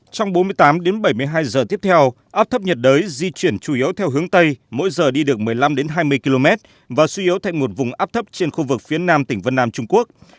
trong bốn mươi tám đến bảy mươi hai giờ tiếp theo áp thấp nhiệt đới di chuyển chủ yếu theo hướng tây mỗi giờ đi được một mươi năm hai mươi km và suy yếu thành một vùng áp thấp trên khu vực phía nam tỉnh vân nam trung quốc